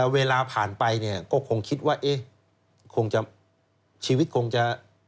เวลาผ่านไปเนี่ยก็คงคิดว่าคงจะชีวิตคงจะ